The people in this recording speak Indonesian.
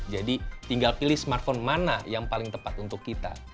jadi tinggal pilih smartphone mana yang paling tepat untuk kita